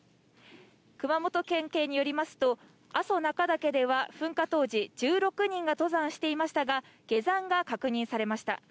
熊本県警によりますと、阿蘇中岳では噴火当時、１６人が登山していましたが、下山が確認されました。